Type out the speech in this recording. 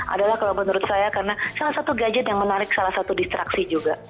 adalah kalau menurut saya karena salah satu gadget yang menarik salah satu distraksi juga